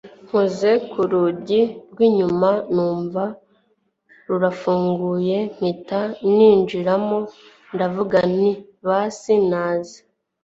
nkoze kurugi rwinyuma numva rurafunguye mpita ninjiramo ndavuga nti basi naza